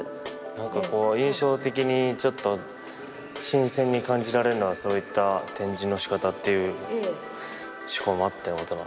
なんかこう印象的にちょっと新鮮に感じられるのはそういった展示のしかたっていう趣向もあってのことなんですね。